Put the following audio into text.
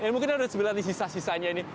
mungkin ada sebilan di sisa sisanya ini